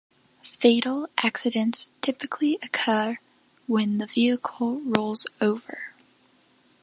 Fatal accidents typically occur when the vehicle rolls over.